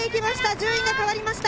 順位が変わりました。